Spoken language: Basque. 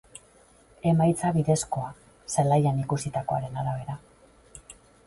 Emaitza bidezkoa, zelaian ikusitakoaren arabera.